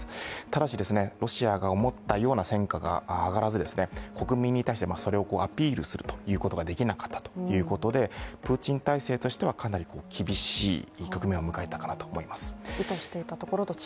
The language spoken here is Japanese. ただし、ロシアが思ったような戦果が上がらず国民に対してアピールするということができなかったということでプーチン体制としては、かなり厳しい局面を迎えたと思います。